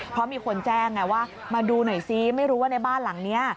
เพราะมีคนแจ้งไงว่ามาดูหน่อยซิไม่รู้ว่าในบ้านหลังนี้